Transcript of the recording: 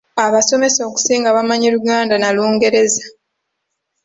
Abasomesa okusinga bamanyi Luganda na Lungereza.